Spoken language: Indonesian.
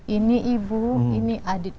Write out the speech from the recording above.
ini ibu ini adit